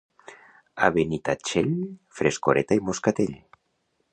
A Benitatxell, frescoreta i Moscatell.